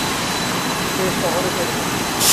সে শহরে চলে গেছে।